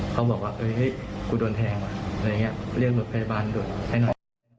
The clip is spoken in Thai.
เขาบอกว่าเฮ้ยเฮ้ยกูโดนแทงว่ะอะไรอย่างงี้เรียกหน่วยพยาบาลให้หน่อย